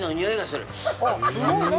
すごい何？